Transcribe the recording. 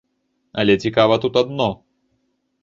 Але цікава тут адно.